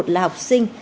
là học sinh